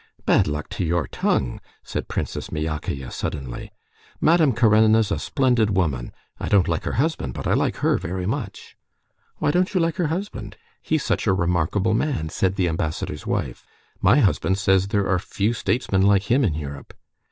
"Bad luck to your tongue!" said Princess Myakaya suddenly. "Madame Karenina's a splendid woman. I don't like her husband, but I like her very much." "Why don't you like her husband? He's such a remarkable man," said the ambassador's wife. "My husband says there are few statesmen like him in Europe."